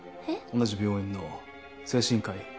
同じ病院の精神科医。